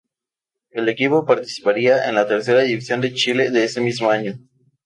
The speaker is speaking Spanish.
El equipo participaría en la Tercera División de Chile de ese mismo año.